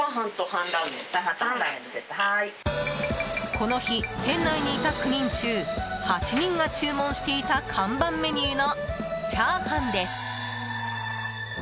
この日、店内にいた９人中８人が注文していた看板メニューのチャーハンです。